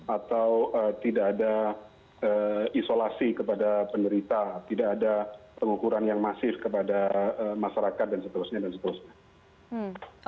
atau tidak ada isolasi kepada penderita tidak ada pengukuran yang masif kepada masyarakat dan seterusnya